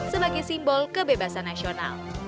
sebagai simbol kebebasan nasional